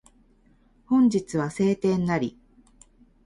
本日は晴天なり